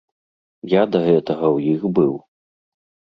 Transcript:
Я да гэтага ў іх быў.